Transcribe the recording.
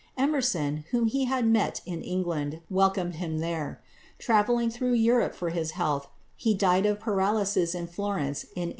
Emerson, who had met him in England, welcomed him there. Travelling through Europe for his health, he died of paralysis in Florence in 1861.